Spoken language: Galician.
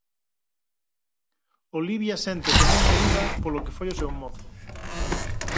Olivia séntese non querida polo que foi o seu mozo.